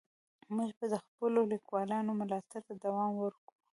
موږ به د خپلو لیکوالانو ملاتړ ته دوام ورکوو.